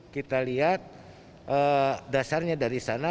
kita lihat dasarnya dari sana